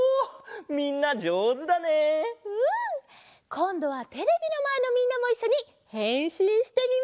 こんどはテレビのまえのみんなもいっしょにへんしんしてみましょう！